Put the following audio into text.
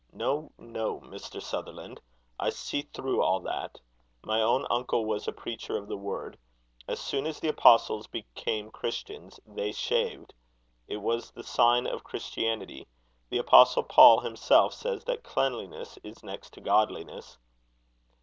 No, no, Mr. Sutherland, I see through all that. My own uncle was a preacher of the word. As soon as the Apostles became Christians, they shaved. It was the sign of Christianity. The Apostle Paul himself says that cleanliness is next to godliness."